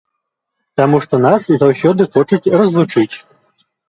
Таму што нас заўсёды хочуць разлучыць.